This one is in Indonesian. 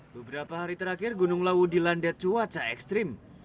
beberapa hari terakhir gunung lawu dilandat cuaca ekstrim